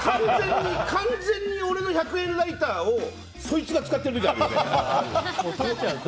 完全に俺の１００円ライターをそいつが使ってるときあるよね。